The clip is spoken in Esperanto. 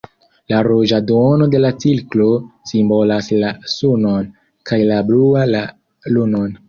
La ruĝa duono de la cirklo simbolas la sunon, kaj la blua la lunon.